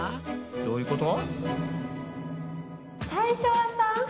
どういうこと？